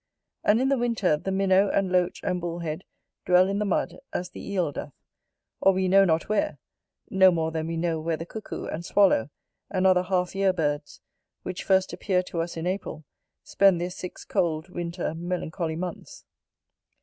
And in the winter, the Minnow, and Loach, and Bull head dwell in the mud, as the Eel doth; or we know not where, no more than we know where the cuckoo and swallow, and other half year birds, which first appear to us in April, spend their six cold, winter, melancholy months.